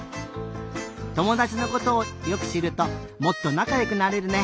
ともだちのことをよくしるともっとなかよくなれるね！